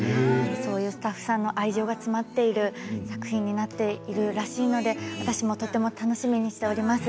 そういうスタッフさんの愛情が詰まっている作品になっているらしいので私もとても楽しみにしています。